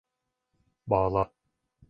Bağla.